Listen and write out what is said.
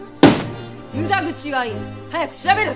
無駄口はいい！早く調べる！